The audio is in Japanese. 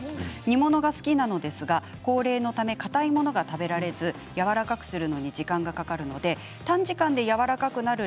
煮物が好きなのですが高齢のためかたいものが食べられずやわらかくするのに時間がかかるので短時間でやわらかくなる